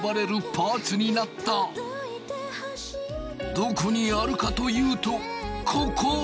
どこにあるかというとここ！